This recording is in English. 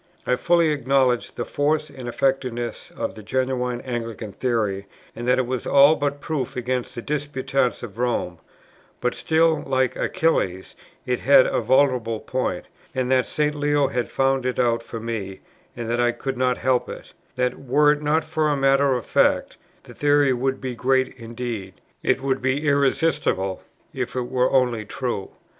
I fully acknowledged the force and effectiveness of the genuine Anglican theory, and that it was all but proof against the disputants of Rome; but still like Achilles, it had a vulnerable point, and that St. Leo had found it out for me, and that I could not help it; that, were it not for matter of fact, the theory would be great indeed; it would be irresistible, if it were only true.